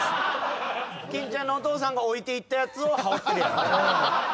金ちゃんのお父さんが置いていったやつを羽織ってるやろ。